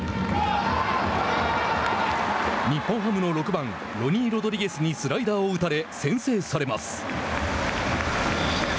日本ハムの６番ロニー・ロドリゲスにスライダーを打たれ先制されます。